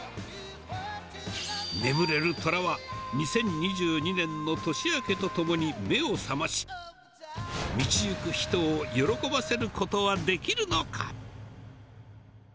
眠れるトラは、２０２２年の年明けとともに目を覚まし、道行く人を喜ばせることはできるのか。